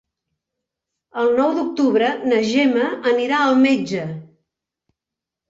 El nou d'octubre na Gemma anirà al metge.